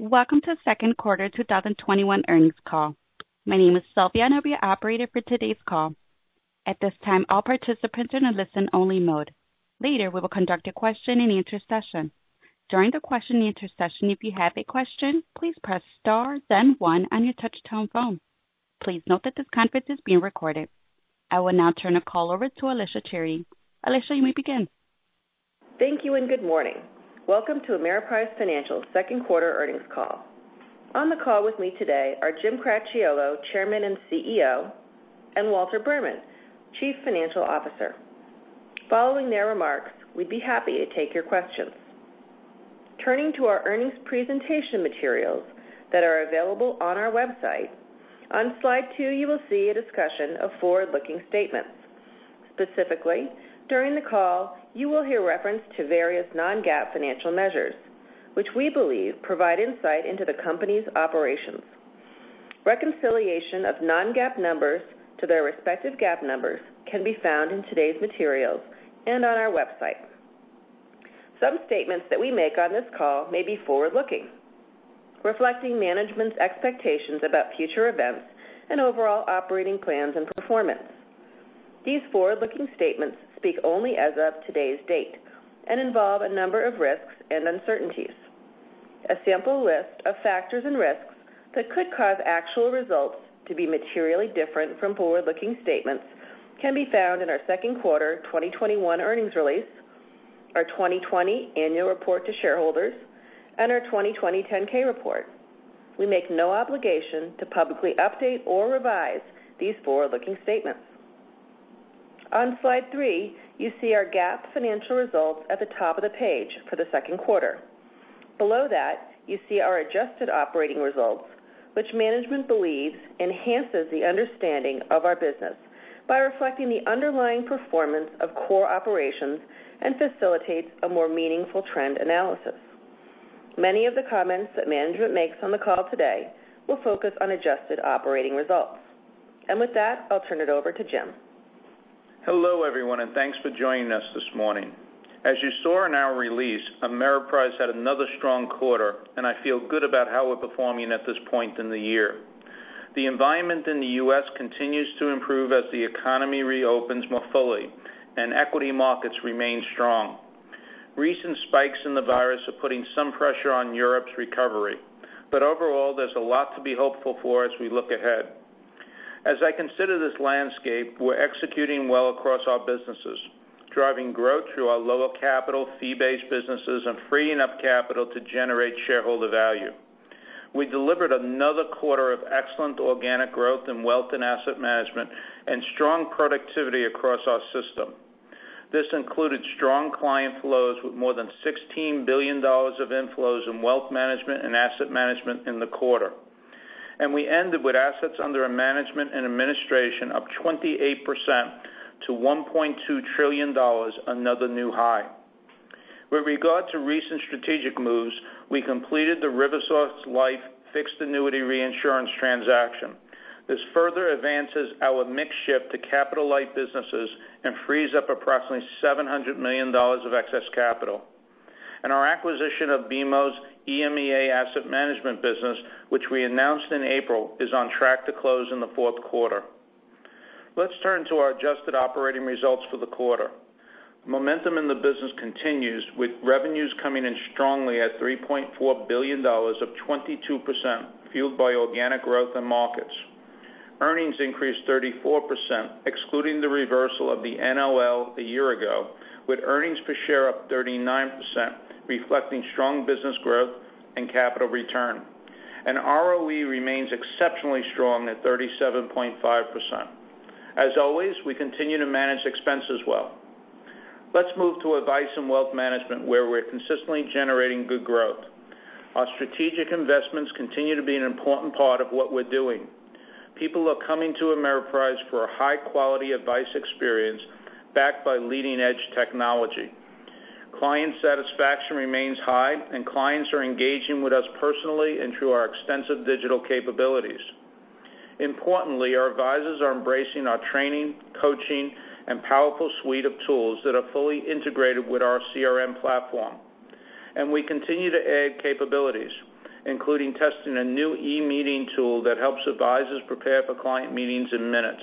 Welcome to the second quarter 2021 earnings call. My name is Sylvia, and I'll be your operator for today's call. At this time, all participants are in listen only mode. Later, we will conduct a question-and-answer session. During the question-and-answer session, if you have a question, please press star then one on your touch tone phone. Please note that this conference is being recorded. I will now turn the call over to Alicia Charity. Alicia, you may begin. Thank you, and good morning. Welcome to Ameriprise Financial second quarter earnings call. On the call with me today are Jim Cracchiolo, Chairman and CEO, and Walter Berman, Chief Financial Officer. Following their remarks, we'd be happy to take your questions. Turning to our earnings presentation materials that are available on our website. On slide two, you will see a discussion of forward-looking statements. Specifically, during the call, you will hear reference to various non-GAAP financial measures, which we believe provide insight into the company's operations. Reconciliation of non-GAAP numbers to their respective GAAP numbers can be found in today's materials and on our website. Some statements that we make on this call may be forward-looking, reflecting management's expectations about future events and overall operating plans and performance. These forward-looking statements speak only as of today's date and involve a number of risks and uncertainties. A sample list of factors and risks that could cause actual results to be materially different from forward-looking statements can be found in our second quarter 2021 earnings release, our 2020 annual report to shareholders, and our 2020 10-K report. We make no obligation to publicly update or revise these forward-looking statements. On slide 3, you see our GAAP financial results at the top of the page for the second quarter. Below that, you see our adjusted operating results, which management believes enhances the understanding of our business by reflecting the underlying performance of core operations and facilitates a more meaningful trend analysis. Many of the comments that management makes on the call today will focus on adjusted operating results. With that, I'll turn it over to Jim. Hello, everyone, thanks for joining us this morning. As you saw in our release, Ameriprise had another strong quarter, and I feel good about how we're performing at this point in the year. The environment in the U.S. continues to improve as the economy reopens more fully and equity markets remain strong. Recent spikes in the virus are putting some pressure on Europe's recovery, but overall, there's a lot to be hopeful for as we look ahead. As I consider this landscape, we're executing well across our businesses, driving growth through our lower capital fee-based businesses and freeing up capital to generate shareholder value. We delivered another quarter of excellent organic growth in wealth and asset management and strong productivity across our system. This included strong client flows with more than $16 billion of inflows in wealth management and asset management in the quarter. We ended with assets under a management and administration up 28% to $1.2 trillion, another new high. With regard to recent strategic moves, we completed the RiverSource Life fixed annuity reinsurance transaction. This further advances our mix shift to capital-light businesses and frees up approximately $700 million of excess capital. Our acquisition of BMO's EMEA Asset Management business, which we announced in April, is on track to close in the fourth quarter. Let's turn to our adjusted operating results for the quarter. Momentum in the business continues with revenues coming in strongly at $3.4 billion of 22%, fueled by organic growth in markets. Earnings increased 34%, excluding the reversal of the NOL a year ago, with earnings per share up 39%, reflecting strong business growth and capital return. ROE remains exceptionally strong at 37.5%. As always, we continue to manage expenses well. Let's move to advice and wealth management, where we're consistently generating good growth. Our strategic investments continue to be an important part of what we're doing. People are coming to Ameriprise for a high-quality advice experience backed by leading-edge technology. Client satisfaction remains high, clients are engaging with us personally and through our extensive digital capabilities. Importantly, our advisors are embracing our training, coaching, and powerful suite of tools that are fully integrated with our CRM platform. We continue to add capabilities, including testing a new e-meeting tool that helps advisors prepare for client meetings in minutes.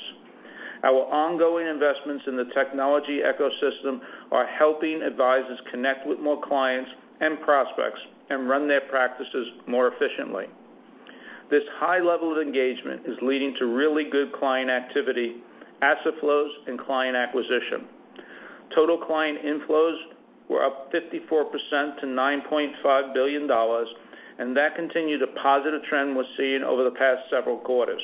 Our ongoing investments in the technology ecosystem are helping advisors connect with more clients and prospects and run their practices more efficiently. This high level of engagement is leading to really good client activity, asset flows, and client acquisition. Total client inflows were up 54% to $9.5 billion, and that continued a positive trend we're seeing over the past several quarters.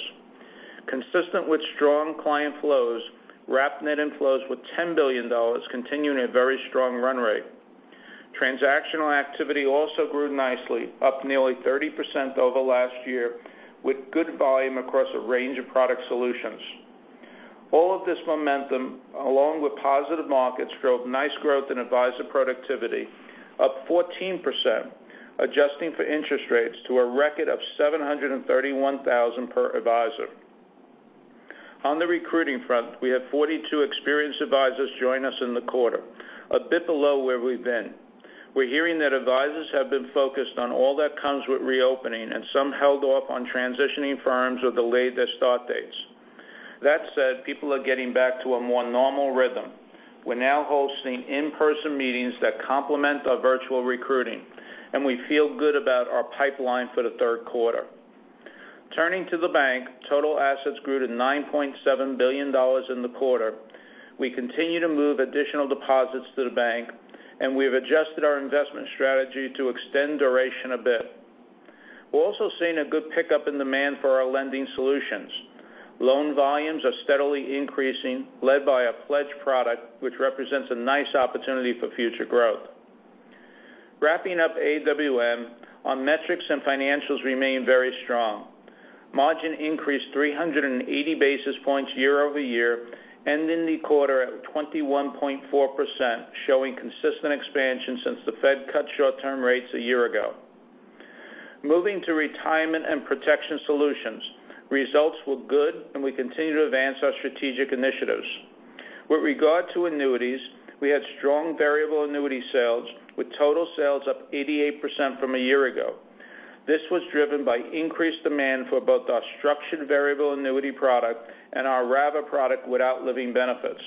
Consistent with strong client flows, wrap net inflows were $10 billion, continuing a very strong run rate. Transactional activity also grew nicely, up nearly 30% over last year, with good volume across a range of product solutions. All of this momentum, along with positive markets, drove nice growth in advisor productivity, up 14%, adjusting for interest rates to a record of 731,000 per advisor. On the recruiting front, we had 42 experienced advisors join us in the quarter, a bit below where we've been. We're hearing that advisors have been focused on all that comes with reopening and some held off on transitioning firms or delayed their start dates. That said, people are getting back to a more normal rhythm. We're now hosting in-person meetings that complement our virtual recruiting, and we feel good about our pipeline for the third quarter. Turning to the bank, total assets grew to $9.7 billion in the quarter. We continue to move additional deposits to the bank, and we have adjusted our investment strategy to extend duration a bit. We're also seeing a good pickup in demand for our lending solutions. Loan volumes are steadily increasing, led by a pledge product, which represents a nice opportunity for future growth. Wrapping up AWM, our metrics and financials remain very strong. Margin increased 380 basis points year-over-year, ending the quarter at 21.4%, showing consistent expansion since the Fed cut short-term rates one year ago. Moving to Retirement and Protection Solutions, results were good, and we continue to advance our strategic initiatives. With regard to annuities, we had strong variable annuity sales, with total sales up 88% from one year ago. This was driven by increased demand for both our structured variable annuity product and our RAVA product without living benefits.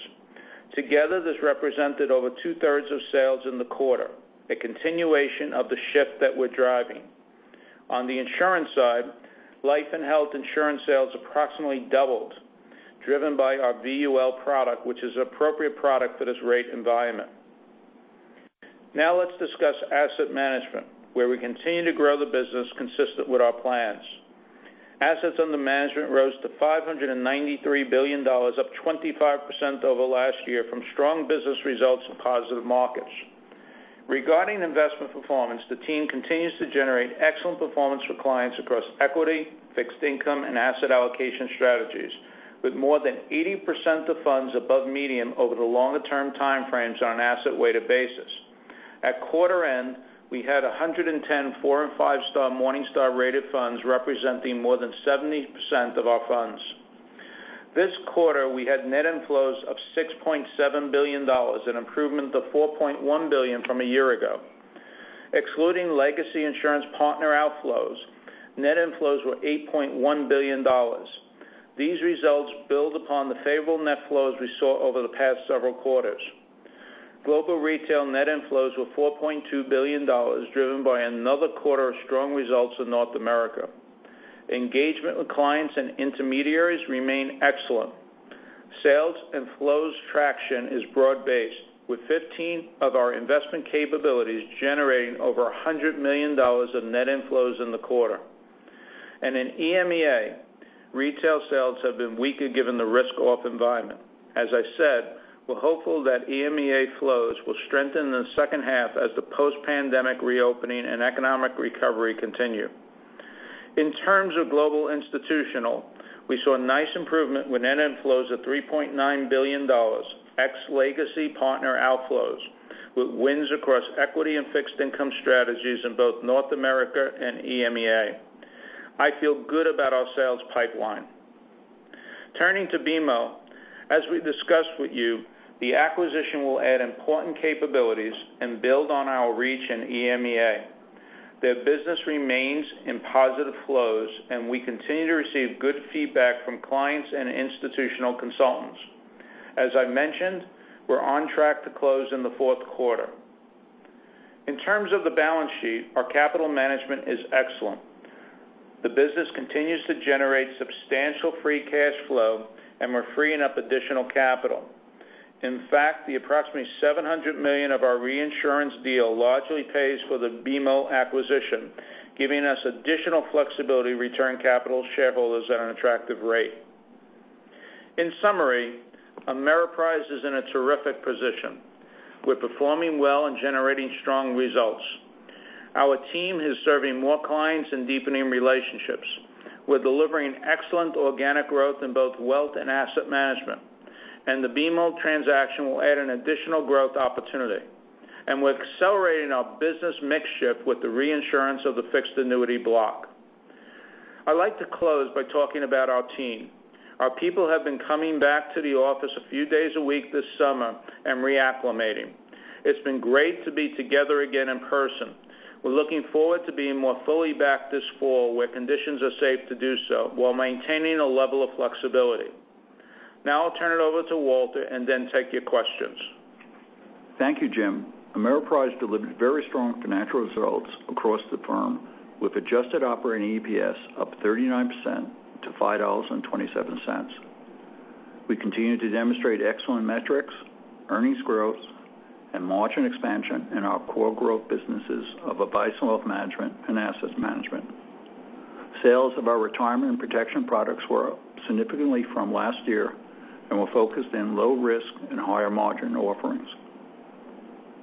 Together, this represented over two-thirds of sales in the quarter, a continuation of the shift that we're driving. On the insurance side, life and health insurance sales approximately doubled, driven by our VUL product, which is an appropriate product for this rate environment. Now let's discuss Asset Management, where we continue to grow the business consistent with our plans. Assets under management rose to $593 billion, up 25% over last year from strong business results and positive markets. Regarding investment performance, the team continues to generate excellent performance for clients across equity, fixed income, and asset allocation strategies, with more than 80% of funds above median over the longer term time frames on an asset-weighted basis. At quarter end, we had 110 four and five-star Morningstar rated funds, representing more than 70% of our funds. This quarter, we had net inflows of $6.7 billion, an improvement of $4.1 billion from a year ago. Excluding legacy insurance partner outflows, net inflows were $8.1 billion. These results build upon the favorable net flows we saw over the past several quarters. Global retail net inflows were $4.2 billion, driven by another quarter of strong results in North America. Engagement with clients and intermediaries remain excellent. Sales inflows traction is broad-based, with 15 of our investment capabilities generating over $100 million of net inflows in the quarter. In EMEA, retail sales have been weaker given the risk-off environment. As I said, we're hopeful that EMEA flows will strengthen in the second half as the post-pandemic reopening and economic recovery continue. In terms of global institutional, we saw a nice improvement with net inflows of $3.9 billion, ex legacy partner outflows, with wins across equity and fixed income strategies in both North America and EMEA. I feel good about our sales pipeline. Turning to BMO, as we discussed with you, the acquisition will add important capabilities and build on our reach in EMEA. Their business remains in positive flows, and we continue to receive good feedback from clients and institutional consultants. As I mentioned, we're on track to close in the fourth quarter. In terms of the balance sheet, our capital management is excellent. The business continues to generate substantial free cash flow, and we're freeing up additional capital. In fact, the approximately $700 million of our reinsurance deal largely pays for the BMO acquisition, giving us additional flexibility to return capital to shareholders at an attractive rate. In summary, Ameriprise is in a terrific position. We're performing well and generating strong results. Our team is serving more clients and deepening relationships. We're delivering excellent organic growth in both wealth and asset management, and the BMO transaction will add an additional growth opportunity. We're accelerating our business mix shift with the reinsurance of the fixed annuity block. I'd like to close by talking about our team. Our people have been coming back to the office a few days a week this summer and reacclimating. It's been great to be together again in person. We're looking forward to being more fully back this fall, where conditions are safe to do so, while maintaining a level of flexibility. I'll turn it over to Walter and then take your questions. Thank you, Jim. Ameriprise delivered very strong financial results across the firm, with adjusted operating EPS up 39% to $5.27. We continue to demonstrate excellent metrics, earnings growth, and margin expansion in our core growth businesses of advice and wealth management and asset management. Sales of our retirement and protection products were up significantly from last year and were focused in low risk and higher margin offerings.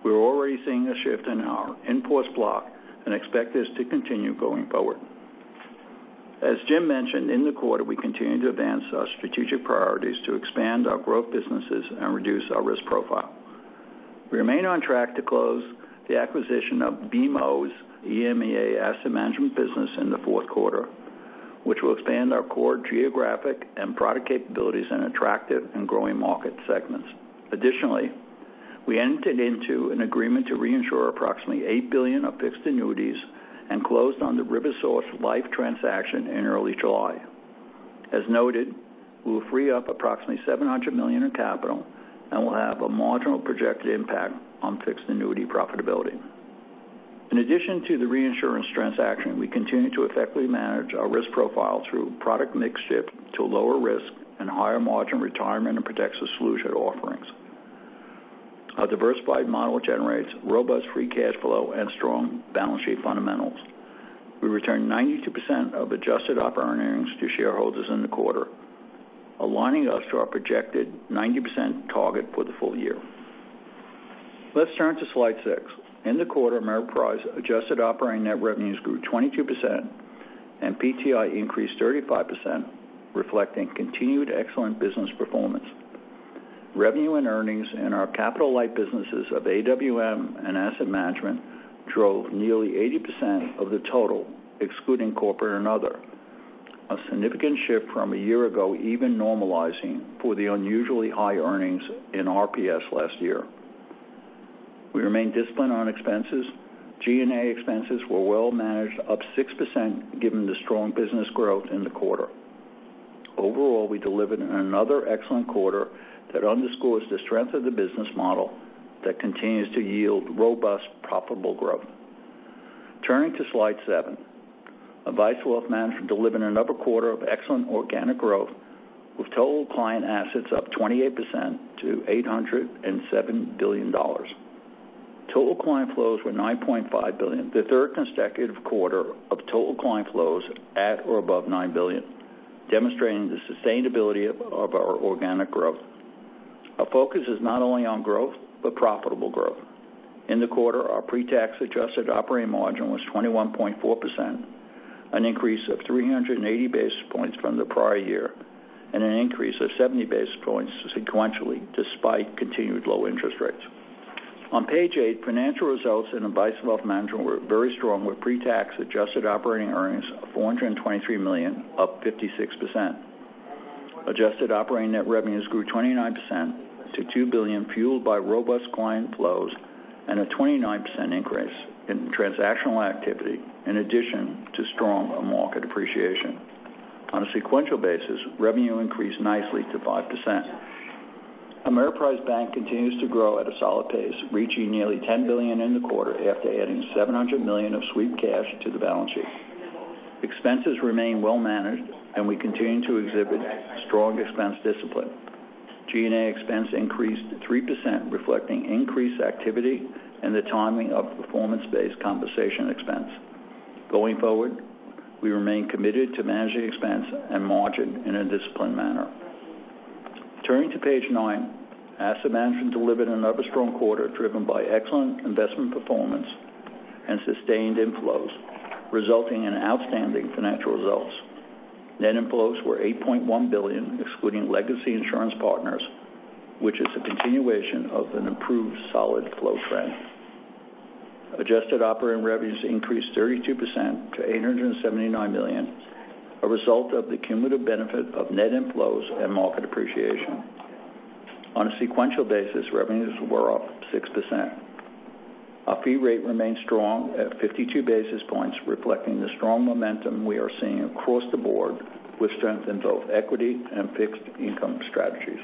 We're already seeing a shift in our in-force block and expect this to continue going forward. As Jim mentioned, in the quarter, we continued to advance our strategic priorities to expand our growth businesses and reduce our risk profile. We remain on track to close the acquisition of BMO's EMEA Asset Management business in the fourth quarter, which will expand our core geographic and product capabilities in attractive and growing market segments. Additionally, we entered into an agreement to reinsure approximately $8 billion of fixed annuities and closed on the RiverSource Life transaction in early July. As noted, we'll free up approximately $700 million in capital and will have a marginal projected impact on fixed annuity profitability. In addition to the reinsurance transaction, we continue to effectively manage our risk profile through product mix shift to lower risk and higher margin Retirement and Protection Solutions offerings. Our diversified model generates robust free cash flow and strong balance sheet fundamentals. We return 92% of adjusted operating earnings to shareholders in the quarter, aligning us to our projected 90% target for the full year. Let's turn to slide 6. In the quarter, Ameriprise adjusted operating net revenues grew 22% and PTI increased 35%, reflecting continued excellent business performance. Revenue and earnings in our capital-light businesses of AWM and asset management drove nearly 80% of the total, excluding corporate and other. A significant shift from a year ago, even normalizing for the unusually high earnings in RPS last year. We remain disciplined on expenses. G&A expenses were well managed, up 6% given the strong business growth in the quarter. Overall, we delivered another excellent quarter that underscores the strength of the business model that continues to yield robust, profitable growth. Turning to slide 7. Advice wealth management delivered another quarter of excellent organic growth, with total client assets up 28% to $807 billion. Total client flows were $9.5 billion, the third consecutive quarter of total client flows at or above $9 billion, demonstrating the sustainability of our organic growth. Our focus is not only on growth, but profitable growth. In the quarter, our pre-tax adjusted operating margin was 21.4%, an increase of 380 basis points from the prior year, and an increase of 70 basis points sequentially, despite continued low interest rates. On page eight, financial results in Advice & Wealth Management were very strong, with pre-tax adjusted operating earnings of $423 million, up 56%. Adjusted operating net revenues grew 29% to $2 billion, fueled by robust client flows and a 29% increase in transactional activity, in addition to strong market appreciation. On a sequential basis, revenue increased nicely to 5%. Ameriprise Bank continues to grow at a solid pace, reaching nearly $10 billion in the quarter after adding $700 million of sweep cash to the balance sheet. Expenses remain well managed. We continue to exhibit strong expense discipline. G&A expense increased 3%, reflecting increased activity and the timing of performance-based compensation expense. Going forward, we remain committed to managing expense and margin in a disciplined manner. Turning to page 9. Asset management delivered another strong quarter, driven by excellent investment performance and sustained inflows, resulting in outstanding financial results. Net inflows were $8.1 billion, excluding legacy insurance partners, which is a continuation of an improved solid flow trend. Adjusted operating revenues increased 32% to $879 million, a result of the cumulative benefit of net inflows and market appreciation. On a sequential basis, revenues were up 6%. Our fee rate remains strong at 52 basis points, reflecting the strong momentum we are seeing across the board with strength in both equity and fixed income strategies.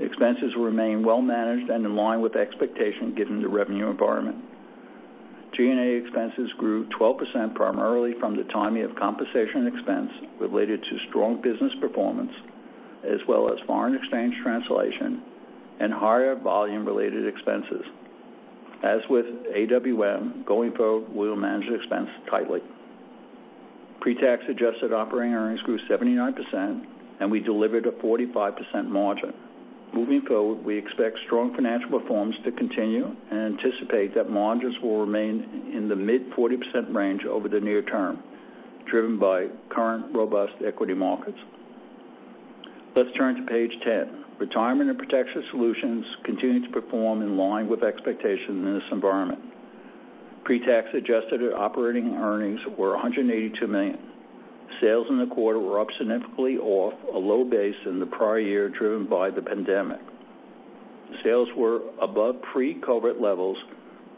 Expenses remain well managed and in line with expectation, given the revenue environment. G&A expenses grew 12%, primarily from the timing of compensation expense related to strong business performance, as well as foreign exchange translation and higher volume-related expenses. As with AWM, going forward, we'll manage expense tightly. Pre-tax adjusted operating earnings grew 79%, and we delivered a 45% margin. Moving forward, we expect strong financial performance to continue and anticipate that margins will remain in the mid 40% range over the near term, driven by current robust equity markets. Let's turn to page 10. Retirement and Protection Solutions continued to perform in line with expectations in this environment. Pre-tax adjusted operating earnings were $182 million. Sales in the quarter were up significantly off a low base in the prior year, driven by the pandemic. Sales were above pre-COVID levels,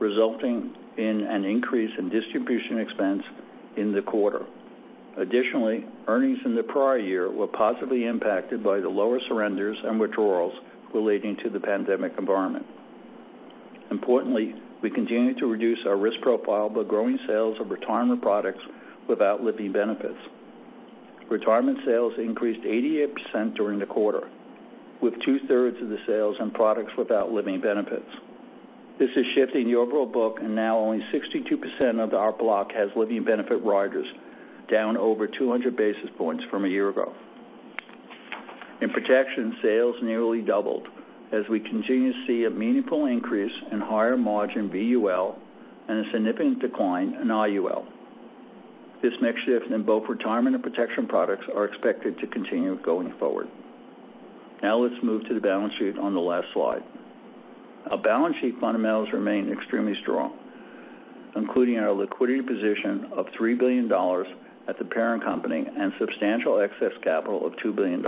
resulting in an increase in distribution expense in the quarter. Additionally, earnings in the prior year were positively impacted by the lower surrenders and withdrawals relating to the pandemic environment. Importantly, we continue to reduce our risk profile by growing sales of retirement products without living benefits. Retirement sales increased 88% during the quarter, with two-thirds of the sales in products without living benefits. This is shifting the overall book, and now only 62% of our block has living benefit riders, down over 200 basis points from a year ago. In protection, sales nearly doubled as we continue to see a meaningful increase in higher margin VUL and a significant decline in IUL. This mix shift in both retirement and protection products are expected to continue going forward. Now let's move to the balance sheet on the last slide. Our balance sheet fundamentals remain extremely strong, including our liquidity position of $3 billion at the parent company and substantial excess capital of $2 billion,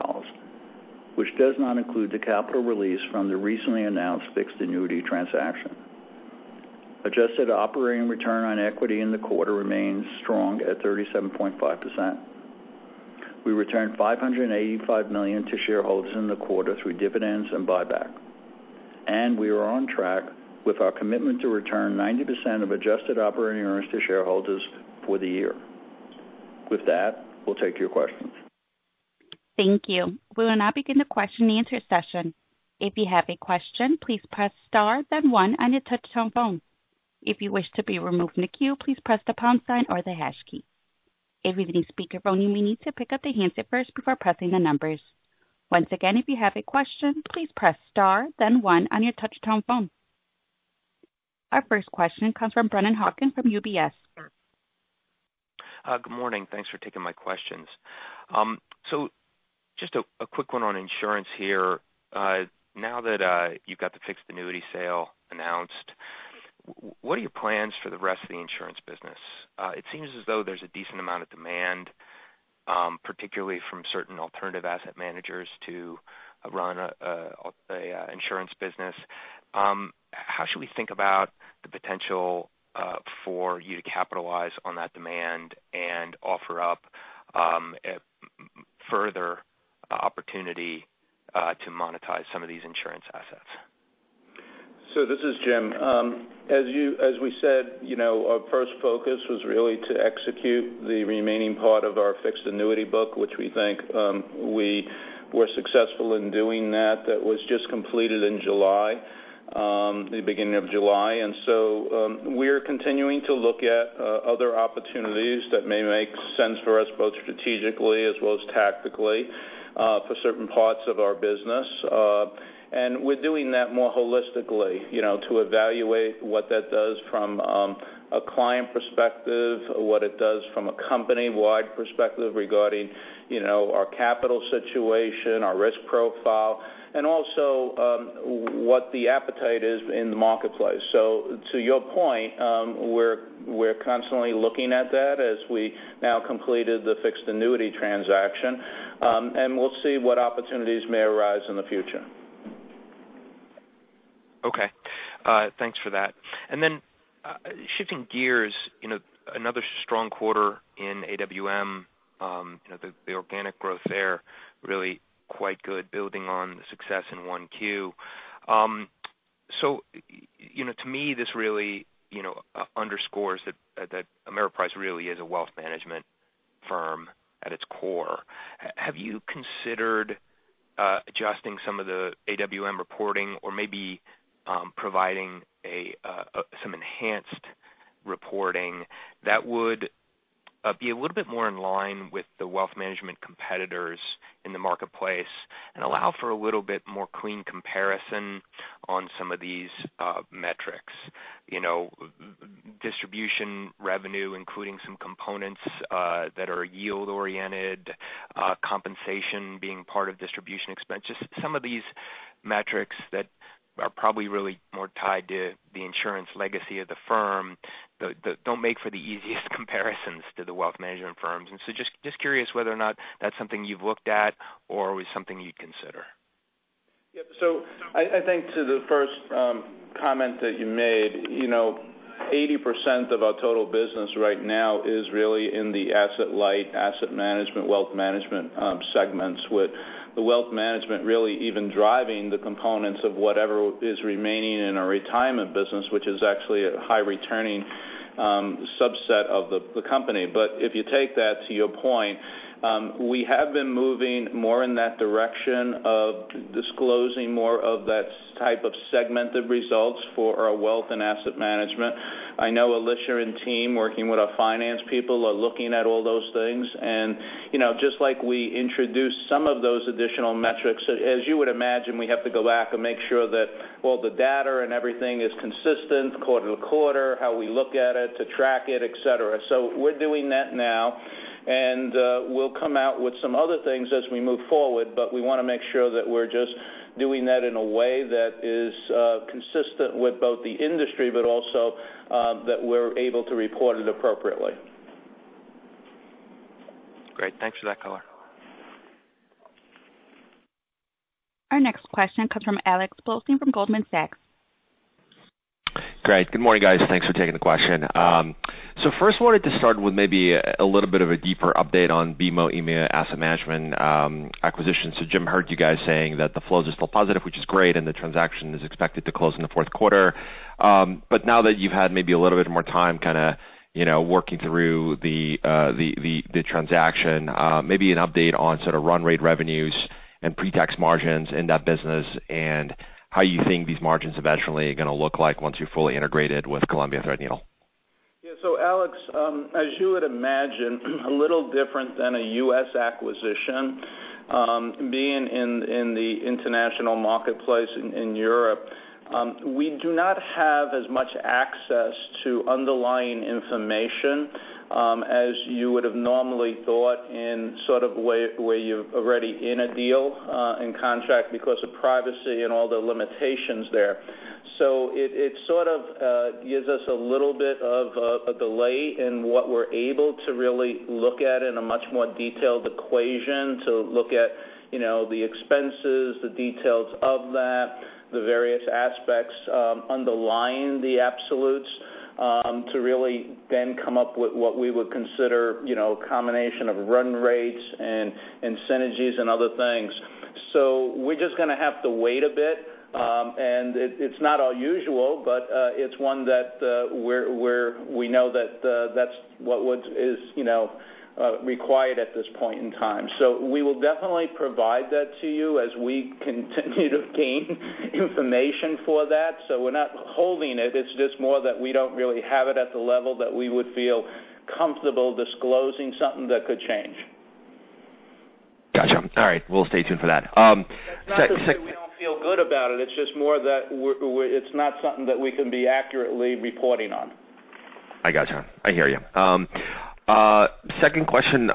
which does not include the capital release from the recently announced fixed annuity transaction. Adjusted operating return on equity in the quarter remains strong at 37.5%. We returned $585 million to shareholders in the quarter through dividends and buyback. We are on track with our commitment to return 90% of adjusted operating earnings to shareholders for the year. With that, we'll take your questions. Thank you. We will now begin the question-and-answer session. Our first question comes from Brennan Hawken from UBS. Good morning. Thanks for taking my questions. Just a quick one on insurance here. Now that you've got the fixed annuity sale announced, what are your plans for the rest of the insurance business? It seems as though there's a decent amount of demand, particularly from certain alternative asset managers to run an insurance business. How should we think about the potential for you to capitalize on that demand and offer up further opportunity to monetize some of these insurance assets? This is Jim. As we said, our first focus was really to execute the remaining part of our fixed annuity book, which we think we were successful in doing that. That was just completed in July, the beginning of July. We're continuing to look at other opportunities that may make sense for us, both strategically as well as tactically for certain parts of our business. We're doing that more holistically, to evaluate what that does from a client perspective, what it does from a company-wide perspective regarding our capital situation, our risk profile, and also what the appetite is in the marketplace. To your point, we're constantly looking at that as we now completed the fixed annuity transaction. We'll see what opportunities may arise in the future. Okay. Thanks for that. Shifting gears, another strong quarter in AWM, the organic growth there really quite good, building on the success in 1Q. To me, this really underscores that Ameriprise really is a wealth management firm at its core. Have you considered adjusting some of the AWM reporting or maybe providing some enhanced reporting that would be a little bit more in line with the wealth management competitors in the marketplace and allow for a little bit more clean comparison on some of these metrics? Distribution revenue, including some components that are yield-oriented, compensation being part of distribution expense, just some of these metrics that are probably really more tied to the insurance legacy of the firm, don't make for the easiest comparisons to the wealth management firms. Just curious whether or not that's something you've looked at or was something you'd consider. Yeah. I think to the first comment that you made, 80% of our total business right now is really in the asset light, asset management, wealth management segments with the wealth management really even driving the components of whatever is remaining in our retirement business, which is actually a high returning subset of the company. If you take that, to your point, we have been moving more in that direction of disclosing more of that type of segmented results for our wealth and asset management. I know Alicia and team working with our finance people are looking at all those things. Just like we introduced some of those additional metrics, as you would imagine, we have to go back and make sure that all the data and everything is consistent quarter to quarter, how we look at it to track it, et cetera. We're doing that now, and we'll come out with some other things as we move forward, but we want to make sure that we're just doing that in a way that is consistent with both the industry, but also that we're able to report it appropriately. Great. Thanks for that color. Our next question comes from Alex Blostein from Goldman Sachs. Great. Good morning, guys. Thanks for taking the question. First I wanted to start with maybe a little bit of a deeper update on BMO AM asset management acquisition. Jim, heard you guys saying that the flows are still positive, which is great, and the transaction is expected to close in the fourth quarter. Now that you've had maybe a little bit more time kind of working through the transaction, maybe an update on sort of run rate revenues and pre-tax margins in that business and how you think these margins eventually are going to look like once you're fully integrated with Columbia Threadneedle. Alex, as you would imagine. A little different than a U.S. acquisition. Being in the international marketplace in Europe, we do not have as much access to underlying information as you would've normally thought in sort of way where you're already in a deal, in contract because of privacy and all the limitations there. It sort of gives us a little bit of a delay in what we're able to really look at in a much more detailed equation to look at the expenses, the details of that, the various aspects underlying the absolutes, to really then come up with what we would consider a combination of run rates and synergies and other things. We're just going to have to wait a bit. It's not our usual, but it's one that we know that's what is required at this point in time. We will definitely provide that to you as we continue to obtain information for that. We're not holding it. It's just more that we don't really have it at the level that we would feel comfortable disclosing something that could change. Gotcha. All right, we'll stay tuned for that. It's not that we don't feel good about it's just more that it's not something that we can be accurately reporting on. I gotcha. I hear you. Second question.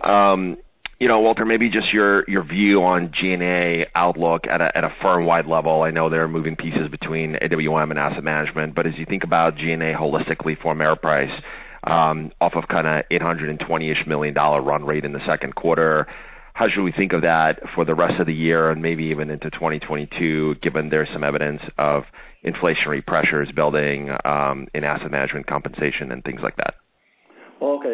Walter, maybe just your view on G&A outlook at a firm-wide level. I know there are moving pieces between AWM and asset management, but as you think about G&A holistically for Ameriprise off of kind of $820 million run rate in the second quarter, how should we think of that for the rest of the year and maybe even into 2022, given there's some evidence of inflationary pressures building in asset management compensation and things like that? Well, okay.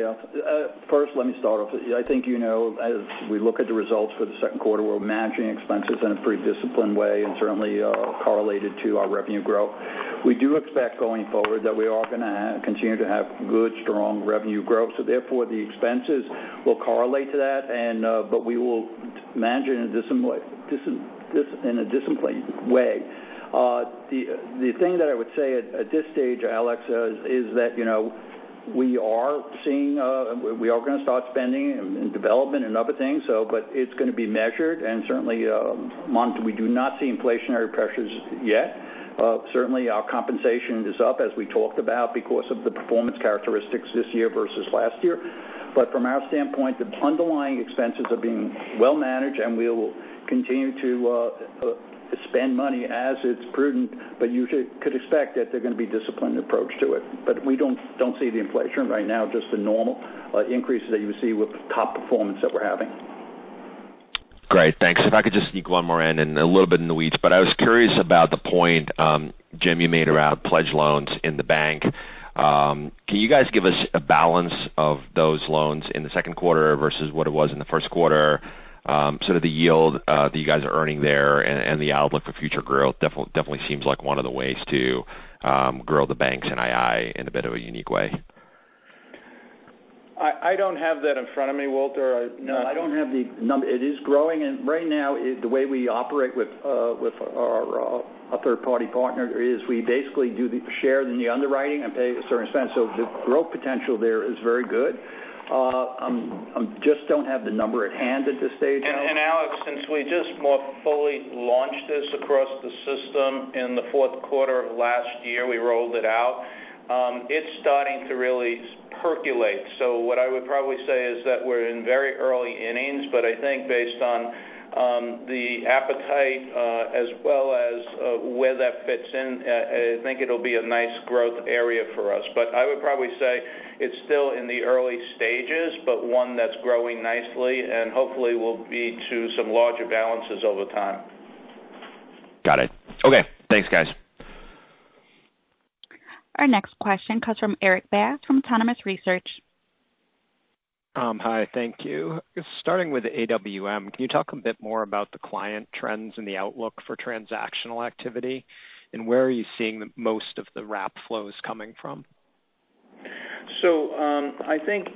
First, let me start off with, I think you know as we look at the results for the second quarter, we're managing expenses in a pretty disciplined way and certainly correlated to our revenue growth. We do expect going forward that we are going to continue to have good, strong revenue growth. Therefore, the expenses will correlate to that. We will manage it in a disciplined way. The thing that I would say at this stage, Alex, is that we are going to start spending in development and other things. It's going to be measured and certainly monitored. We do not see inflationary pressures yet. Certainly our compensation is up as we talked about because of the performance characteristics this year versus last year. From our standpoint, the underlying expenses are being well managed, and we will continue to spend money as it's prudent. You could expect that they're going to be disciplined approach to it. We don't see the inflation right now, just the normal increases that you see with the top performance that we're having. Great. Thanks. If I could just sneak one more in and a little bit in the weeds, but I was curious about the point, Jim, you made around pledge loans in the Bank. Can you guys give us a balance of those loans in the second quarter versus what it was in the first quarter, sort of the yield that you guys are earning there and the outlook for future growth? Definitely seems like one of the ways to grow the Bank's NII in a bit of a unique way. I don't have that in front of me, Walter. No, I don't have the number. It is growing, and right now the way we operate with our third-party partner is we basically do the share in the underwriting and pay a certain expense. The growth potential there is very good. I just don't have the number at hand at this stage, Alex. Alex, since we just more fully launched this across the system in the fourth quarter of last year, we rolled it out, it's starting to really percolate. What I would probably say is that we're in very early innings, but I think based on the appetite as well as where that fits in, I think it'll be a nice growth area for us. I would probably say it's still in the early stages, but one that's growing nicely and hopefully will be to some larger balances over time. Got it. Okay, thanks guys. Our next question comes from Erik Bass, from Autonomous Research. Hi, thank you. Starting with AWM, can you talk a bit more about the client trends and the outlook for transactional activity, and where are you seeing most of the wrap flows coming from? I think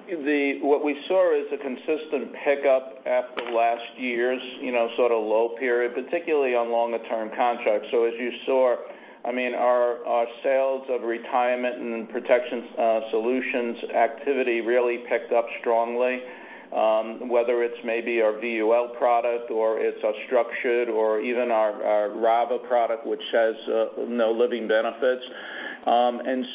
what we saw is a consistent pickup after last year's sort of low period, particularly on longer term contracts. As you saw, our sales of Retirement and Protection Solutions activity really picked up strongly. Whether it's maybe our VUL product or it's our structured or even our RAVA product, which has no living benefits.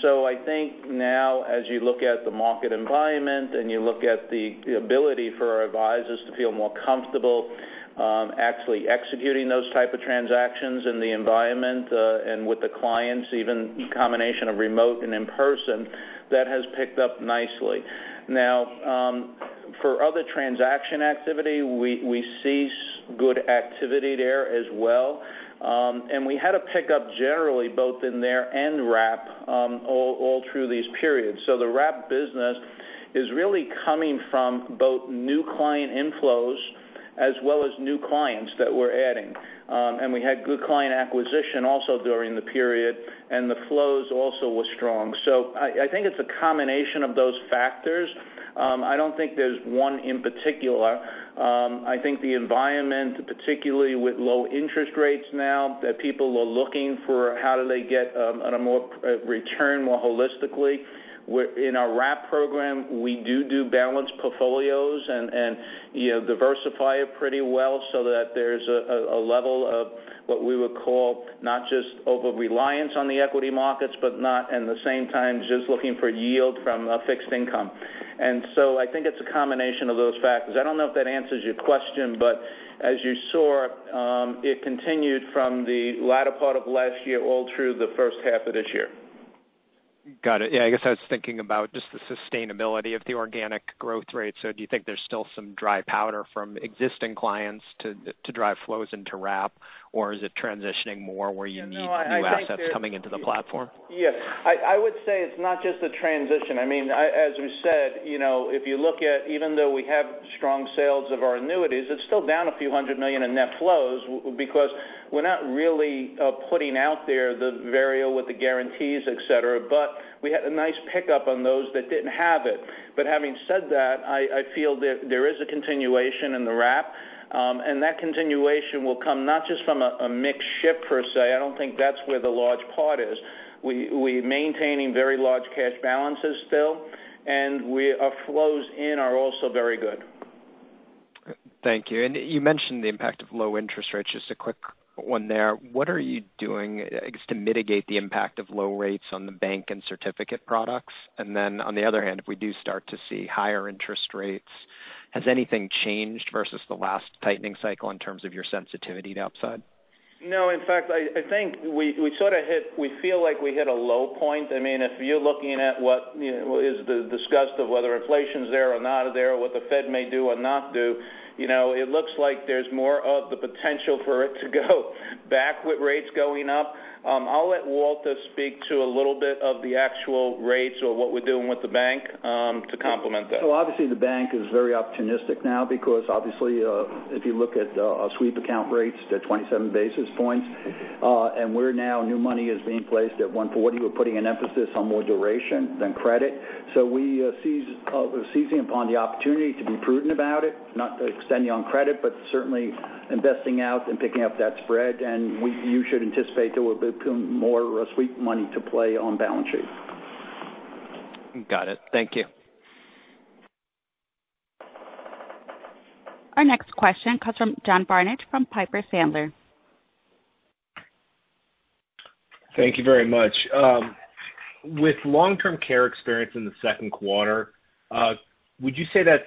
I think now as you look at the market environment and you look at the ability for our advisors to feel more comfortable actually executing those type of transactions in the environment, and with the clients, even combination of remote and in-person, that has picked up nicely. Now, for other transaction activity, we see good activity there as well. We had a pickup generally both in there and wrap all through these periods. The wrap business is really coming from both new client inflows as well as new clients that we're adding. We had good client acquisition also during the period, and the flows also were strong. I think it's a combination of those factors. I don't think there's one in particular. I think the environment, particularly with low interest rates now that people are looking for how do they get a return more holistically. In our wrap program, we do balanced portfolios and diversify it pretty well so that there's a level of what we would call not just over-reliance on the equity markets, but not at the same time just looking for yield from a fixed income. I think it's a combination of those factors. I don't know if that answers your question, but as you saw, it continued from the latter part of last year all through the first half of this year. Got it. Yeah, I guess I was thinking about just the sustainability of the organic growth rate. Do you think there's still some dry powder from existing clients to drive flows into wrap? Or is it transitioning more where you need? No, I think. new assets coming into the platform? Yes. I would say it's not just a transition. As we said, if you look at even though we have strong sales of our annuities, it's still down a few hundred million in net flows because we're not really putting out there the RAVA with the guarantees, et cetera. We had a nice pickup on those that didn't have it. Having said that, I feel that there is a continuation in the wrap. That continuation will come not just from a mix shift per se. I don't think that's where the large part is. We maintaining very large cash balances still, and our flows in are also very good. Thank you. You mentioned the impact of low interest rates. Just a quick one there. What are you doing, I guess, to mitigate the impact of low rates on the bank and certificate products? On the other hand, if we do start to see higher interest rates, has anything changed versus the last tightening cycle in terms of your sensitivity to upside? No. In fact, I think we feel like we hit a low point. If you're looking at what is the discussion of whether inflation's there or not there, what the Fed may do or not do, it looks like there's more of the potential for it to go back with rates going up. I'll let Walter speak to a little bit of the actual rates or what we're doing with the bank to complement that. Obviously the bank is very opportunistic now because obviously, if you look at our sweep account rates, they're 27 basis points. We're now, new money is being placed at 140. We're putting an emphasis on more duration than credit. We are seizing upon the opportunity to be prudent about it, not extending on credit, but certainly investing out and picking up that spread. You should anticipate there will become more sweep money to play on balance sheet. Got it. Thank you. Our next question comes from John Barnidge from Piper Sandler. Thank you very much. With long-term care experience in the second quarter, would you say that's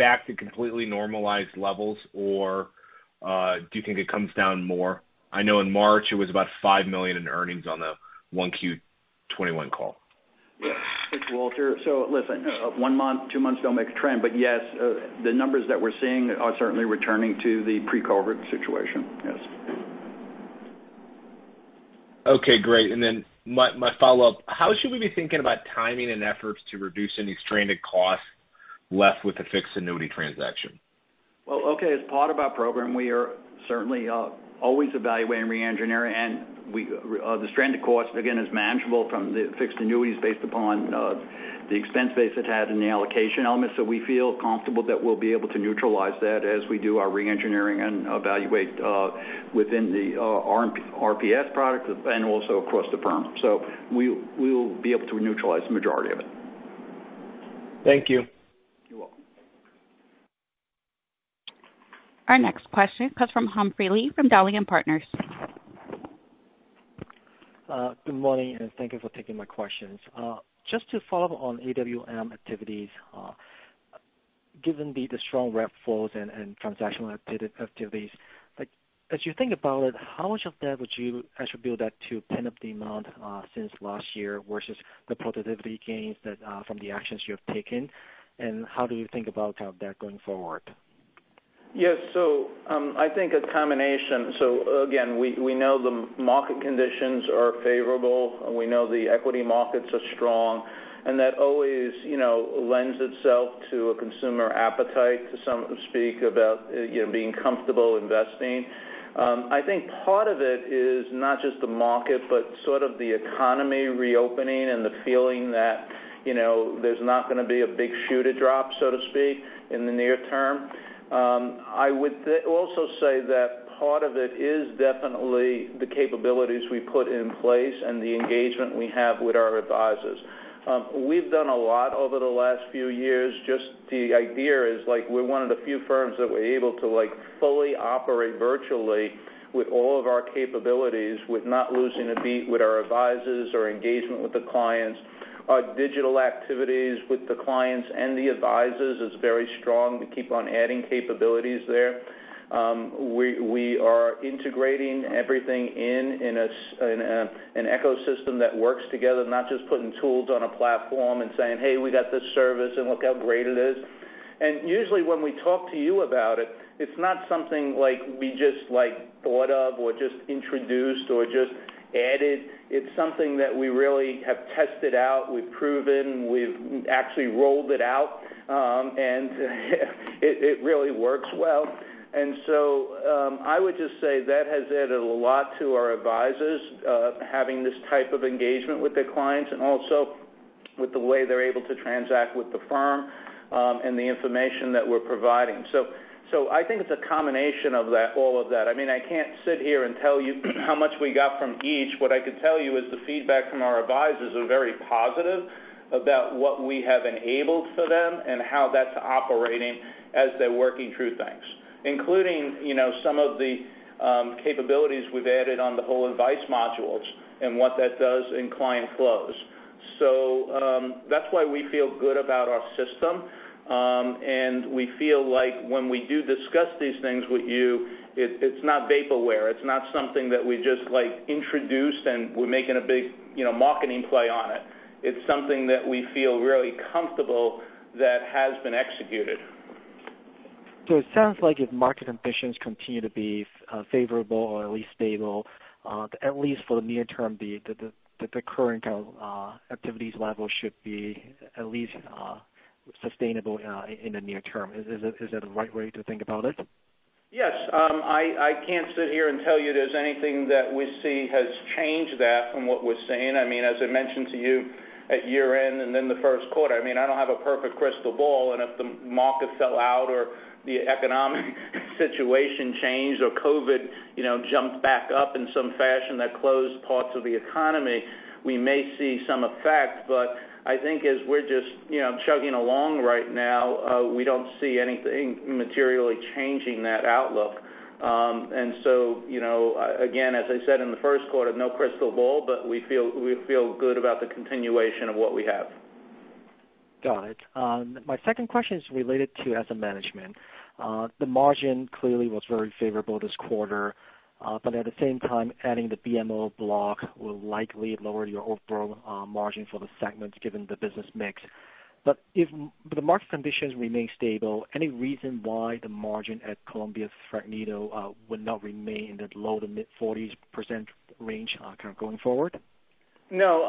back to completely normalized levels, or do you think it comes down more? I know in March it was about $5 million in earnings on the 1Q21 call. Yes. It's Walter Berman. Listen, one month, two months don't make a trend. Yes, the numbers that we're seeing are certainly returning to the pre-COVID situation, yes. Okay, great. My follow-up, how should we be thinking about timing and efforts to reduce any stranded costs left with the fixed annuity transaction? Well, okay. As part of our program, we are certainly always evaluating re-engineering. The stranded cost, again, is manageable from the fixed annuities based upon the expense base it had and the allocation elements that we feel comfortable that we'll be able to neutralize that as we do our re-engineering and evaluate within the RPS product and also across the firm. We will be able to neutralize the majority of it. Thank you. You're welcome. Our next question comes from Humphrey Lee from Dowling & Partners. Good morning, and thank you for taking my questions. Just to follow up on AWM activities, given the strong wrap flows and transactional activities, as you think about it, how much of that would you attribute that to pent-up demand since last year versus the productivity gains from the actions you have taken? How do you think about that going forward? Yes. I think a combination. Again, we know the market conditions are favorable, and we know the equity markets are strong, and that always lends itself to a consumer appetite, so to speak, about being comfortable investing. I think part of it is not just the market, but sort of the economy reopening and the feeling that there's not going to be a big shoe to drop, so to speak, in the near term. I would also say that part of it is definitely the capabilities we put in place and the engagement we have with our advisors. We've done a lot over the last few years. Just the idea is like we're one of the few firms that were able to fully operate virtually with all of our capabilities, with not losing a beat with our advisors or engagement with the clients. Our digital activities with the clients and the advisors is very strong. We keep on adding capabilities there. We are integrating everything in an ecosystem that works together, not just putting tools on a platform and saying, "Hey, we got this service and look how great it is." Usually, when we talk to you about it's not something we just thought of or just introduced or just added. It's something that we really have tested out, we've proven, we've actually rolled it out, and it really works well. I would just say that has added a lot to our advisors, having this type of engagement with their clients and also with the way they're able to transact with the firm, and the information that we're providing. I think it's a combination of all of that. I can't sit here and tell you how much we got from each. What I could tell you is the feedback from our advisors are very positive about what we have enabled for them and how that's operating as they're working through things. Including some of the capabilities we've added on the whole advice modules and what that does in client flows. That's why we feel good about our system. We feel like when we do discuss these things with you, it's not vaporware. It's not something that we just introduced, and we're making a big marketing play on it. It's something that we feel really comfortable that has been executed. It sounds like if market conditions continue to be favorable or at least stable, at least for the near term, that the current activities level should be at least sustainable in the near term. Is that the right way to think about it? Yes. I can't sit here and tell you there's anything that we see has changed that from what we're seeing. As I mentioned to you at year-end and then the first quarter, I don't have a perfect crystal ball. If the market fell out or the economic situation changed or COVID jumped back up in some fashion that closed parts of the economy, we may see some effect. I think as we're just chugging along right now, we don't see anything materially changing that outlook. Again, as I said in the first quarter, no crystal ball, but we feel good about the continuation of what we have. Got it. My second question is related to asset management. The margin clearly was very favorable this quarter. At the same time, adding the BMO block will likely lower your overall margin for the segment, given the business mix. If the market conditions remain stable, any reason why the margin at Columbia Threadneedle would not remain in that low to mid-40s% range going forward? No.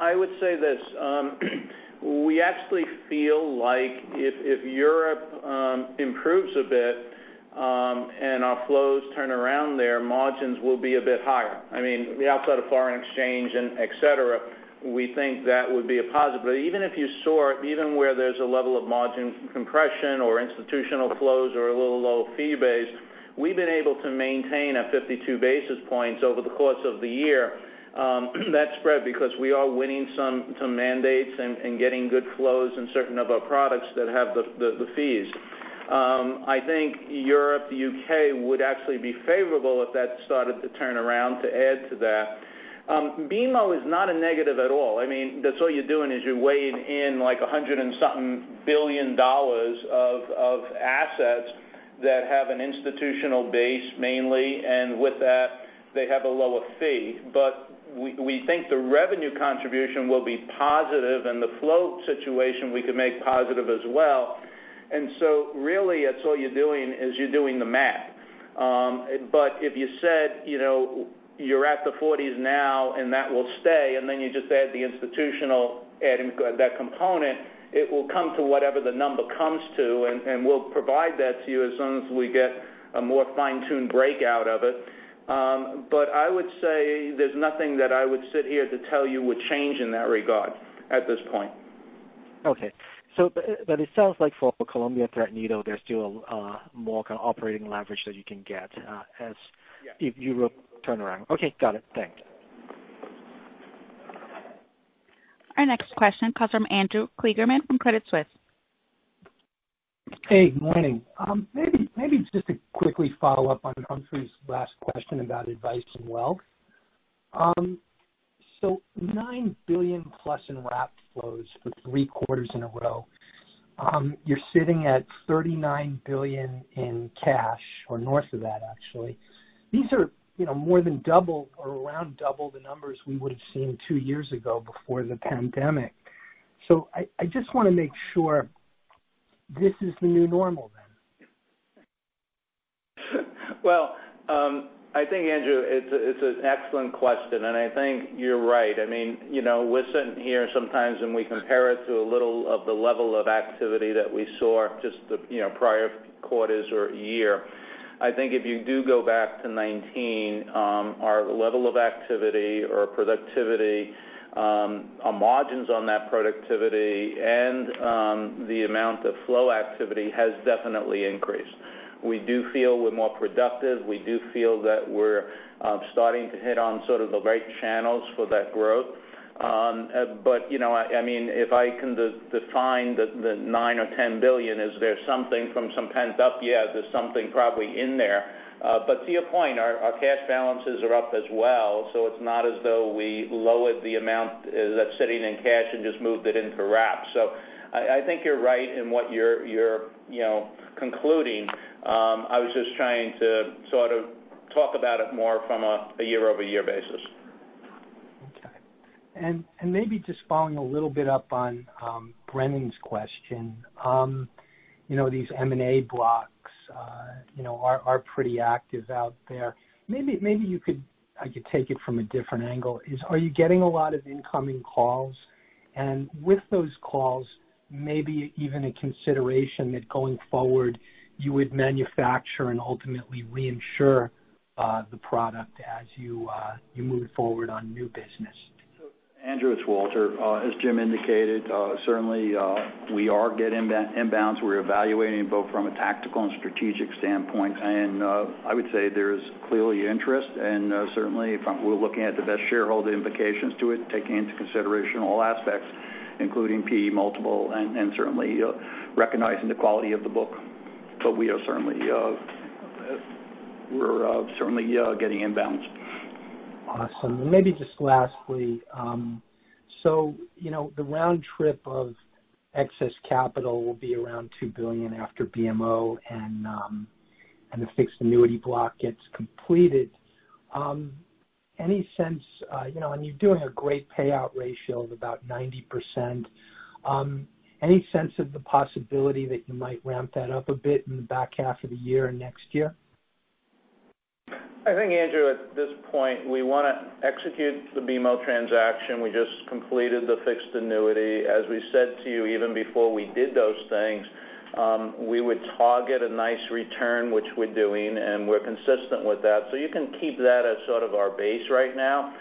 I would say this. We actually feel like if Europe improves a bit and our flows turn around there, margins will be a bit higher. Outside of foreign exchange et cetera, we think that would be a positive. Even if you saw it, even where there's a level of margin compression or institutional flows or a little low fee base, we've been able to maintain a 52 basis points over the course of the year. That spread because we are winning some mandates and getting good flows in certain of our products that have the fees. I think Europe, the U.K. would actually be favorable if that started to turn around to add to that. BMO is not a negative at all. That's all you're doing, is you're weighing in, like, $100 and something billion of assets that have an institutional base mainly, and with that, they have a lower fee. We think the revenue contribution will be positive, and the flow situation we could make positive as well. Really, that's all you're doing, is you're doing the math. If you said you're at the 40s now and that will stay, and then you just add the institutional, adding that component, it will come to whatever the number comes to, and we'll provide that to you as soon as we get a more fine-tuned breakout of it. I would say there's nothing that I would sit here to tell you would change in that regard at this point. Okay. It sounds like for Columbia Threadneedle, there's still more kind of operating leverage that you can get- Yeah. If you turn around. Okay, got it. Thanks. Our next question comes from Andrew Kligerman from Credit Suisse. Hey, good morning. Maybe just to quickly follow up on Humphrey's last question about advice and wealth. $9+ billion in wrap flows for three quarters in a row. You're sitting at $39 billion in cash, or north of that, actually. These are more than double or around double the numbers we would've seen two years ago before the pandemic. I just want to make sure this is the new normal then. Well, I think, Andrew, it's an excellent question, and I think you're right. We're sitting here sometimes, and we compare it to a little of the level of activity that we saw just the prior quarters or year. I think if you do go back to 2019, our level of activity or productivity, our margins on that productivity, and the amount of flow activity has definitely increased. We do feel we're more productive. We do feel that we're starting to hit on sort of the right channels for that growth. If I can define the $9 or $10 billion, is there something from some pent-up? Yeah, there's something probably in there. To your point, our cash balances are up as well, it's not as though we lowered the amount that's sitting in cash and just moved it into wrap. I think you're right in what you're concluding. I was just trying to sort of talk about it more from a year-over-year basis. Okay. Maybe just following a little bit up on Steven's question. These M&A blocks are pretty active out there. Maybe I could take it from a different angle. Are you getting a lot of incoming calls? With those calls, maybe even a consideration that going forward you would manufacture and ultimately reinsure the product as you move forward on new business. Andrew, it's Walter. As Jim indicated, certainly, we are getting inbounds. We're evaluating both from a tactical and strategic standpoint. I would say there's clearly interest, and certainly, we're looking at the best shareholder implications to it, taking into consideration all aspects. Including PE multiple and certainly recognizing the quality of the book. We're certainly getting inbounds. Awesome. Maybe just lastly, the round trip of excess capital will be around $2 billion after BMO and the fixed annuity block gets completed. You're doing a great payout ratio of about 90%. Any sense of the possibility that you might ramp that up a bit in the back half of the year and next year? I think, Andrew, at this point, we want to execute the BMO transaction. We just completed the fixed annuity. As we said to you even before we did those things, we would target a nice return, which we're doing, and we're consistent with that. You can keep that as sort of our base right now.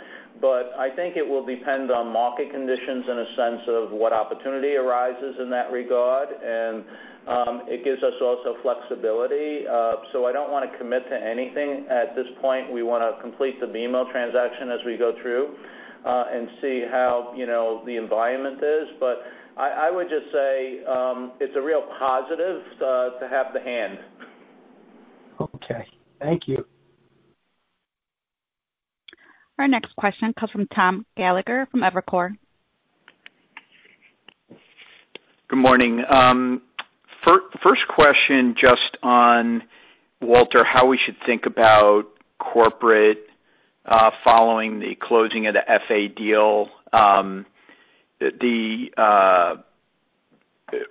I think it will depend on market conditions in a sense of what opportunity arises in that regard. It gives us also flexibility. I don't want to commit to anything at this point. We want to complete the BMO transaction as we go through, and see how the environment is. I would just say, it's a real positive to have the hand. Okay. Thank you. Our next question comes from Tom Gallagher from Evercore. Good morning. First question just on, Walter, how we should think about corporate following the closing of the FA deal. Are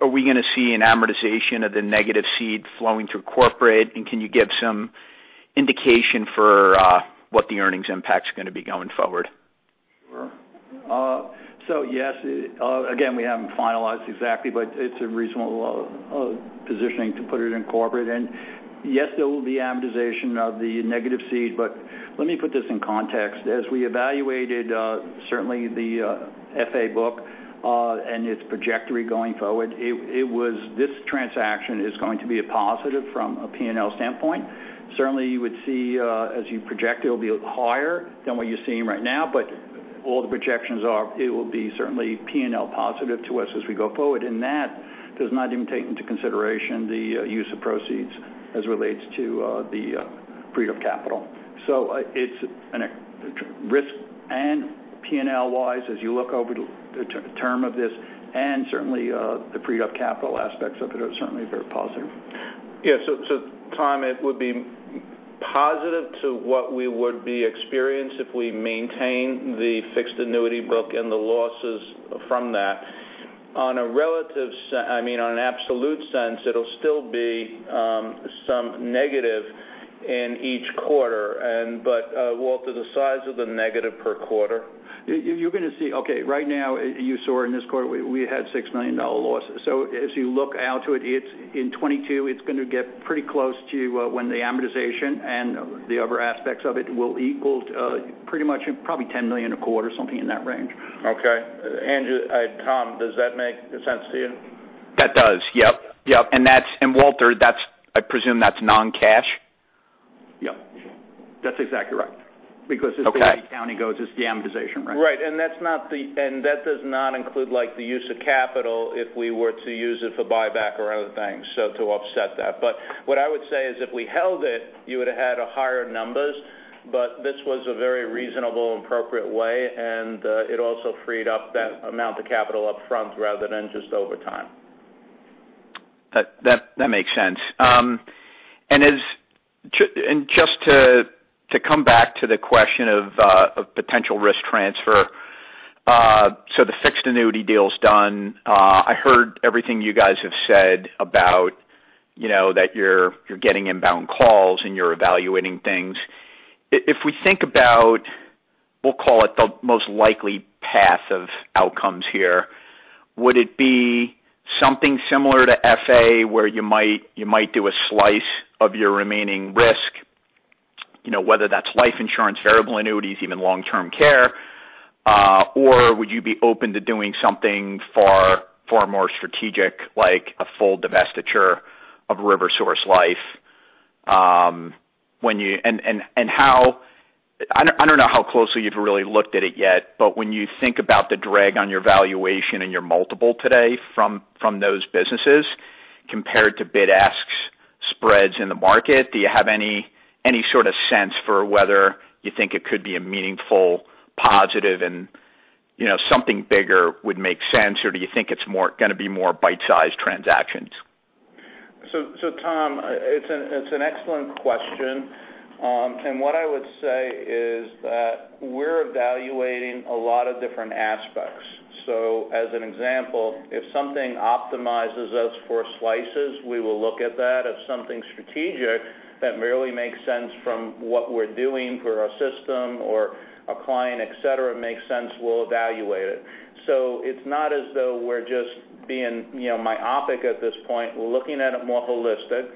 we going to see an amortization of the negative cede flowing through corporate? Can you give some indication for what the earnings impact's going to be going forward? Sure. Yes. Again, we haven't finalized exactly, but it's a reasonable positioning to put it in corporate. Yes, there will be amortization of the negative cede, but let me put this in context. As we evaluated certainly the FA book, and its trajectory going forward, this transaction is going to be a positive from a P&L standpoint. Certainly, you would see as you project, it'll be higher than what you're seeing right now, but all the projections are it will be certainly P&L positive to us as we go forward. That does not even take into consideration the use of proceeds as relates to the freed-up capital. It's risk and P&L-wise, as you look over the term of this, and certainly the freed-up capital aspects of it are certainly very positive. Yeah. Tom, it would be positive to what we would be experienced if we maintain the fixed annuity book and the losses from that. On an absolute sense, it'll still be some negative in each quarter. Walter, the size of the negative per quarter? You're going to see, okay, right now, you saw in this quarter we had $6 million losses. As you look out to it, in 2022 it's going to get pretty close to when the amortization and the other aspects of it will equal pretty much probably $10 million a quarter, something in that range. Okay. Tom, does that make sense to you? That does. Yep. Walter, I presume that's non-cash? Yep. That's exactly right. Okay. Because as the accounting goes, it's the amortization, right? Right. That does not include the use of capital if we were to use it for buyback or other things, so to offset that. What I would say is if we held it, you would've had higher numbers, but this was a very reasonable, appropriate way, and it also freed up that amount of capital upfront rather than just over time. That makes sense. Just to come back to the question of potential risk transfer. The fixed annuity deal's done. I heard everything you guys have said about that you're getting inbound calls and you're evaluating things. We think about, we'll call it the most likely path of outcomes here, would it be something similar to FA where you might do a slice of your remaining risk, whether that's life insurance, variable annuities, even long-term care, or would you be open to doing something far more strategic, like a full divestiture of RiverSource Life? I don't know how closely you've really looked at it yet, but when you think about the drag on your valuation and your multiple today from those businesses compared to bid-ask spreads in the market, do you have any sort of sense for whether you think it could be a meaningful positive and something bigger would make sense? Or do you think it's going to be more bite-sized transactions? Tom, it's an excellent question. What I would say is that we're evaluating a lot of different aspects. As an example, if something optimizes us for slices, we will look at that. If something strategic that merely makes sense from what we're doing for our system or a client, et cetera, makes sense, we'll evaluate it. It's not as though we're just being myopic at this point. We're looking at it more holistic.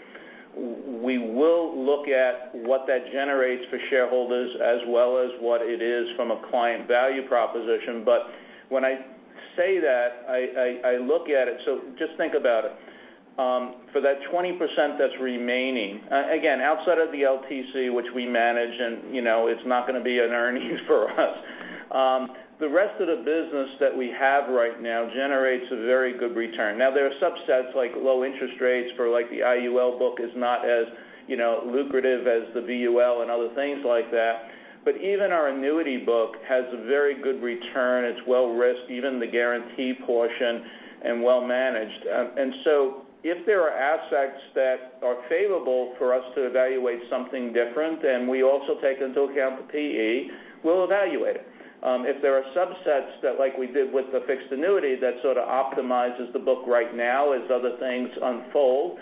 We will look at what that generates for shareholders as well as what it is from a client value proposition. When I say that, I look at it, so just think about it. For that 20% that's remaining, again, outside of the LTC, which we manage, and it's not going to be an earnings for us. There are subsets like low interest rates for the IUL book is not as lucrative as the VUL and other things like that. Even our annuity book has a very good return. It's well-risked, even the guarantee portion, and well-managed. If there are assets that are favorable for us to evaluate something different, then we also take into account the PE, we'll evaluate it. If there are subsets that, like we did with the fixed annuity, that sort of optimizes the book right now as other things unfold,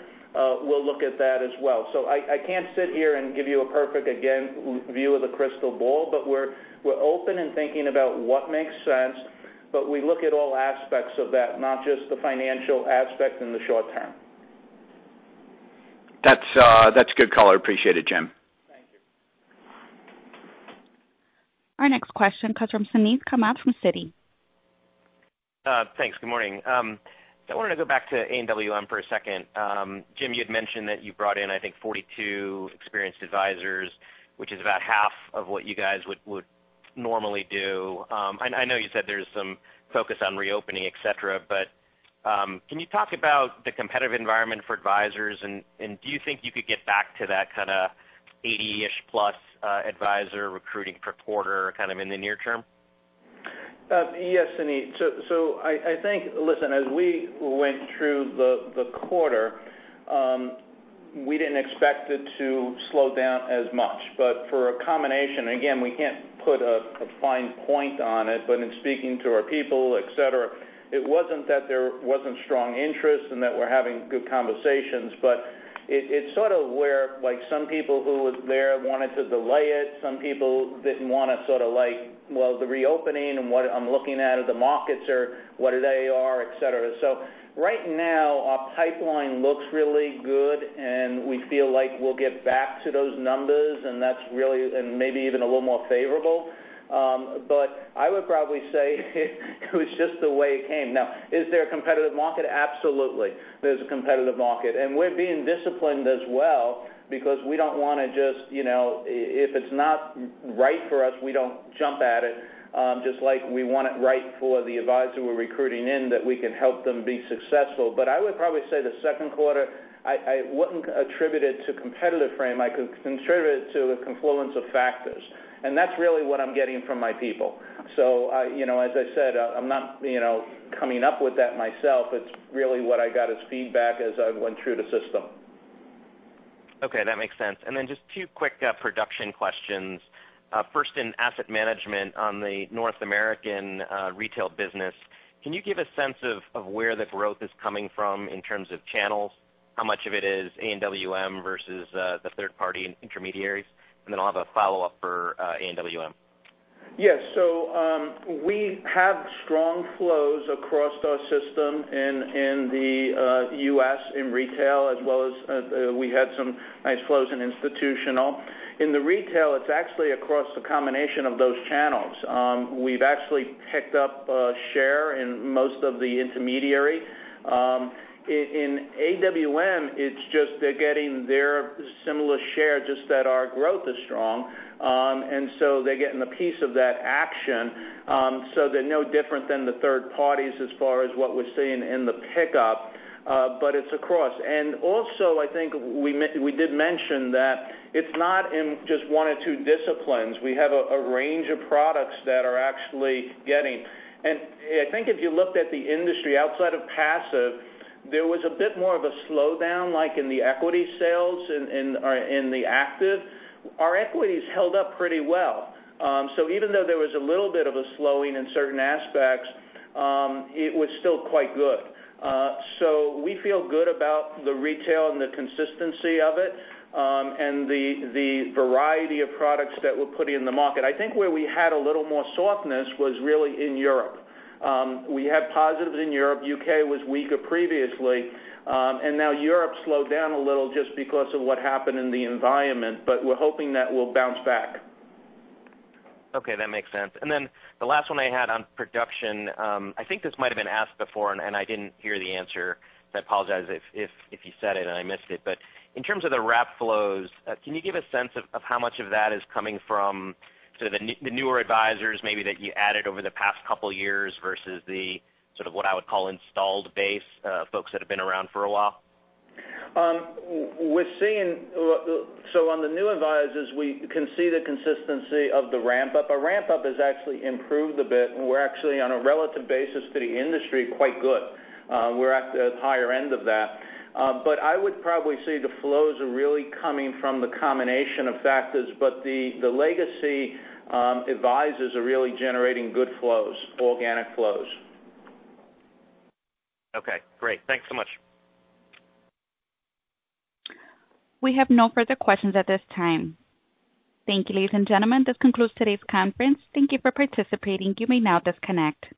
we'll look at that as well. I can't sit here and give you a perfect, again, view of the crystal ball, but we're open and thinking about what makes sense, but we look at all aspects of that, not just the financial aspect in the short term. That's good color. Appreciate it, Jim. Thank you. Our next question comes from Suneet Kamath from Citi. Thanks. Good morning. I wanted to go back to AWM for a second. Jim, you had mentioned that you brought in, I think, 42 experienced advisors, which is about half of what you guys would normally do. I know you said there's some focus on reopening, et cetera, can you talk about the competitive environment for advisors, and do you think you could get back to that kind of 80-ish plus advisor recruiting per quarter, kind of in the near term? Yes, Suneet. I think, listen, as we went through the quarter, we didn't expect it to slow down as much. For a combination, again, we can't put a fine point on it, but in speaking to our people, et cetera, it wasn't that there wasn't strong interest and that we're having good conversations, but it's sort of where some people who were there wanted to delay it. Some people didn't want to sort of like, "Well, the reopening and what I'm looking at of the markets are what they are," et cetera. Right now, our pipeline looks really good, and we feel like we'll get back to those numbers, and maybe even a little more favorable. I would probably say it was just the way it came. Is there a competitive market? Absolutely, there's a competitive market. We're being disciplined as well because we don't want to if it's not right for us, we don't jump at it. Just like we want it right for the advisor we're recruiting in, that we can help them be successful. I would probably say the second quarter, I wouldn't attribute it to competitive frame. I could contribute it to a confluence of factors, and that's really what I'm getting from my people. As I said, I'm not coming up with that myself. It's really what I got as feedback as I went through the system. Okay, that makes sense. Then just 2 quick production questions. First in asset management on the North American retail business, can you give a sense of where the growth is coming from in terms of channels? How much of it is AWM versus the third-party intermediaries? Then I'll have a follow-up for AWM. Yes. We have strong flows across our system in the U.S. in retail as well as we had some nice flows in institutional. In the retail, it's actually across the combination of those channels. We've actually picked up a share in most of the intermediary. In AWM, it's just they're getting their similar share, just that our growth is strong. They're getting a piece of that action. They're no different than the third parties as far as what we're seeing in the pickup. It's across. I think we did mention that it's not in just one or two disciplines. We have a range of products that are actually getting. I think if you looked at the industry outside of passive, there was a bit more of a slowdown, like in the equity sales or in the active. Our equities held up pretty well. Even though there was a little bit of a slowing in certain aspects, it was still quite good. We feel good about the retail and the consistency of it, and the variety of products that we're putting in the market. I think where we had a little more softness was really in Europe. We had positives in Europe. U.K. was weaker previously. Now Europe slowed down a little just because of what happened in the environment, but we're hoping that we'll bounce back. Okay. That makes sense. The last one I had on production, I think this might have been asked before, and I didn't hear the answer, so I apologize if you said it and I missed it. In terms of the wrap flows, can you give a sense of how much of that is coming from sort of the newer advisors maybe that you added over the past couple of years versus the sort of what I would call installed base, folks that have been around for a while? On the new advisors, we can see the consistency of the ramp-up. Our ramp-up has actually improved a bit, and we're actually on a relative basis to the industry quite good. We're at the higher end of that. I would probably say the flows are really coming from the combination of factors. The legacy advisors are really generating good flows, organic flows. Okay, great. Thanks so much. We have no further questions at this time. Thank you, ladies and gentlemen. This concludes today's conference. Thank you for participating. You may now disconnect.